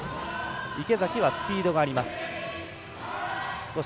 池崎はスピードがあります。